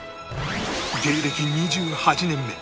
芸歴２８年目